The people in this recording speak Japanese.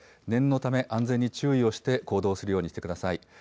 念のため安全に注意をして行動するようにしてください。